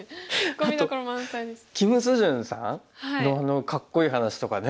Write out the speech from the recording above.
あと金秀俊さんのかっこいい話とかね。